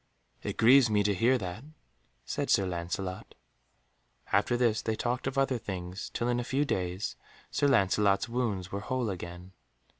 "It grieves me to hear that," said Sir Lancelot. After this they talked of other things, till in a few days Sir Lancelot's wounds were whole again.